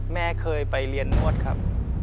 แม่เคยไปเรียนนวดครับ